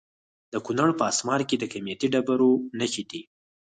د کونړ په اسمار کې د قیمتي ډبرو نښې دي.